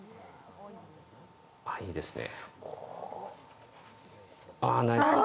いいですね。